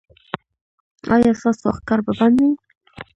ایا ستاسو ښکار به بند وي؟